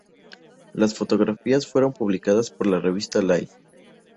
Sus fotografías fueron publicadas por la revista Life.